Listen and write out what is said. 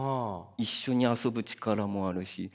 一緒に遊ぶ力もあるし